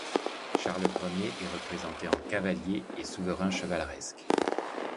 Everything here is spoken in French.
Charles Ier est représenté en cavalier et souverain chevaleresque.